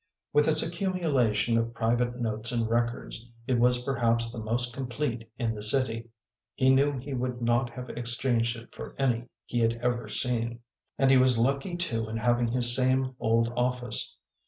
With its accumulation of private notes and records, it was perhaps the most complete in the city, he knew he would not have exchanged it for any he had ever seen. And he was lucky too in having his same old office.